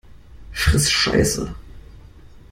Friss Scheiße!